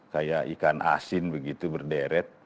kayak ikan asin begitu berderet